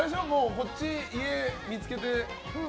こっち、家見つけて。